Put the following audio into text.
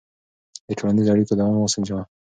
د ټولنیزو اړیکو دوام وسنجوه.